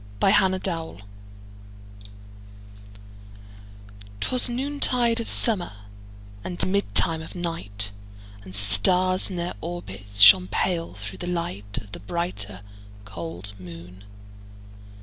1827 Evening Star 'Twas noontide of summer, And midtime of night, And stars, in their orbits, Shone pale, through the light Of the brighter, cold moon.